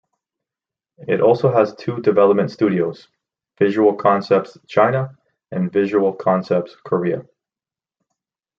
It also has two development studios: Visual Concepts China, and Visual Concepts Korea.